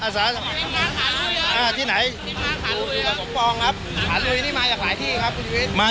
สถานการณ์ข้อมูล